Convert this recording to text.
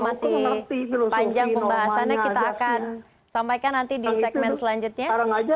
makanya mereka yang henti itu baca undang undangnya